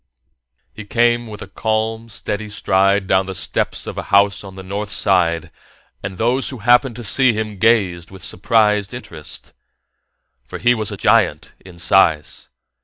He came with a calm, steady stride down the steps of a house on the north side, and those who happened to see him gazed with surprised interest. For he was a giant in size.